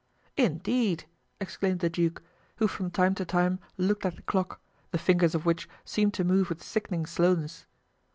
"Indeed!" exclaimed the duke, who from time to time looked at the clock, the fingers of which seemed to move with sickening slowness.